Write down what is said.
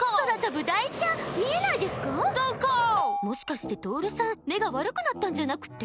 もしかしてトオルさん目が悪くなったんじゃなくって？